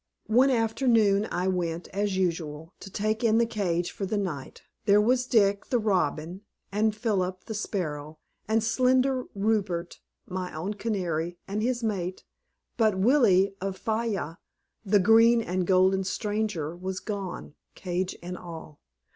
One afternoon I went, as usual, to take in the cage for the night: there was Dick, the robin; and Philip, the sparrow; and slender Rupert, my own canary, and his mate; but Willie of Fayal, the green and golden stranger, was gone, cage and all.